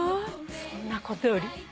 そんなことより。